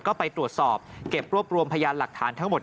ก็ไปตรวจสอบเก็บรวบรวมพยานหลักฐานทั้งหมด